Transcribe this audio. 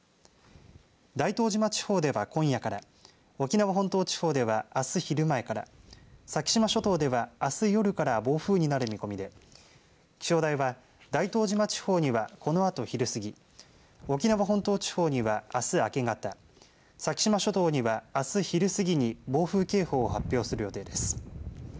大東島地方では今夜から沖縄本島地方ではあす昼前から先島諸島ではあす夜から暴風になる見込みで気象台は大東島地方にはこのあと昼過ぎ沖縄本島地方にはあす明け方先島諸島にはあす昼過ぎに暴風警報を発表する予定です。